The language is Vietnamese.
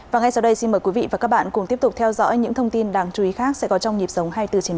và ngay sau đây xin mời quý vị và các bạn cùng tiếp tục theo dõi những thông tin đáng chú ý khác sẽ có trong nhịp sống hai mươi bốn h ba mươi